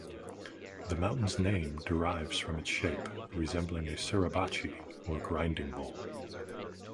The mountain's name derives from its shape, resembling a "suribachi" or "grinding bowl.